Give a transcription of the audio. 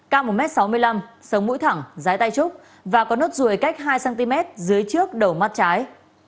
cao một m sáu mươi năm sống mũi thẳng dưới tay trúc và có nốt ruồi cách hai cm dưới trước đầu mắt trái